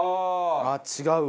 あっ違うわ。